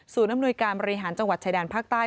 อำนวยการบริหารจังหวัดชายแดนภาคใต้